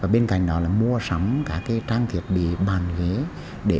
bên cạnh đó là mua sắm các trang thiết bị bàn ghế